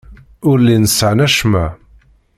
Ur llin sɛan acemma.